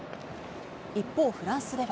一方、フランスでは。